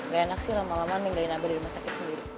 gak enak sih lama lama minggain ambil di rumah sakit sendiri